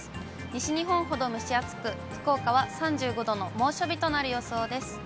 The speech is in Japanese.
西日本ほど蒸し暑く、福岡は３５度の猛暑日となる予想です。